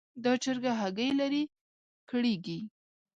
دا چرګه هګۍ لري؛ کړېږي.